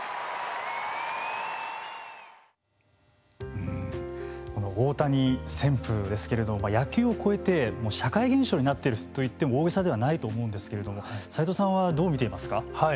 うん大谷旋風ですけれども野球を超えて社会現象になっているといっても大げさではないと思うんですけれども斎藤さんはどう見ていますか。